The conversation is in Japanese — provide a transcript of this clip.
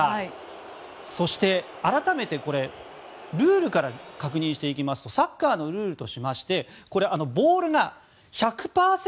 そして、改めてルールから確認していきますとサッカーのルールとしましてボールが１００％